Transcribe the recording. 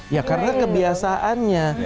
ya karena kebiasaannya